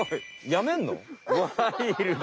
辞めんの？